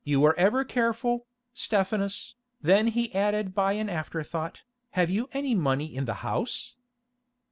"You were ever careful, Stephanus." Then he added by an afterthought, "Have you any money in the house?"